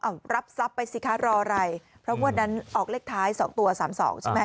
เอารับทรัพย์ไปสิคะรออะไรเพราะงวดนั้นออกเลขท้ายสองตัวสามสองใช่ไหม